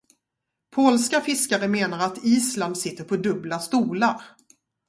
Polska fiskare menar att Island sitter på dubbla stolar.